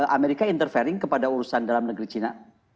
amerika menyerang keurusan dalam negara china